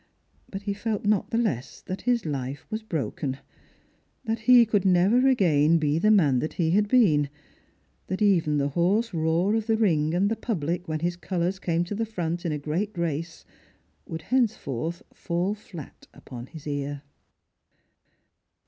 But he felt not the less that his life was broken — that he could never again be the man that he had been; that even the hoarse roar of the ring and the public when his colours came to the front in a great race would henceforth fall flat upon his ear.